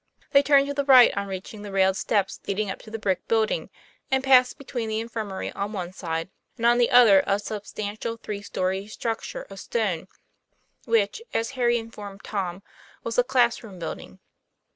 They turned to the right on reaching the railed steps leading up to the brick building, and passed between the infirmary on one side and on the other a substantial three story structure of stone, which, as Harry informed Tom, was the class room building.